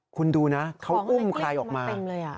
คุณดูนะเขาอุ้มใครออกมา